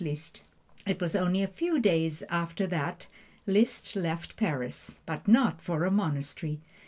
It was only a few days after that Liszt left Paris but not for a monastery.